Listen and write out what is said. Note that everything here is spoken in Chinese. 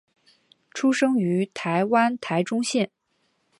出生于台湾台中县。